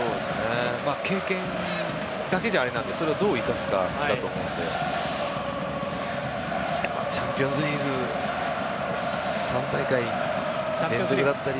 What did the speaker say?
経験だけじゃあれなのでそれをどう生かすかだと思うのでただチャンピオンズリーグ３大会連続だったり。